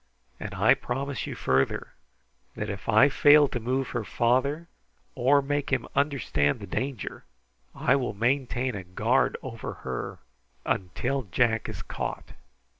And I promise you further, that if I fail to move her father or make him understand the danger, I will maintain a guard over her until Jack is caught.